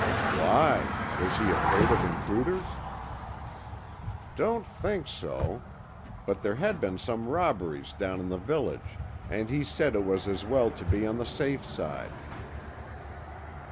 "Why? Was he afraid of intruders?" "Don't think so. But there had been some robberies down in the village and he said it was as well to be on the safe side."